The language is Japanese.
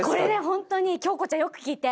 本当に京子ちゃんよく聞いて！